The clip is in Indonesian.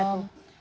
itu apa itu